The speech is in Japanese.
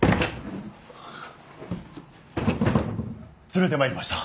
連れてまいりました。